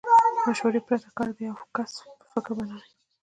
مشورې پرته کار د يوه کس په فکر بنا وي.